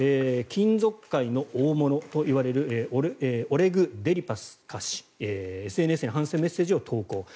金属界の大物といわれるオレグ・デリパスカ氏ＳＮＳに反戦メッセージを投稿